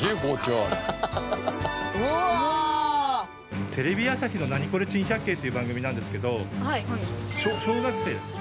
うわ！テレビ朝日の『ナニコレ珍百景』という番組なんですけど小学生ですか？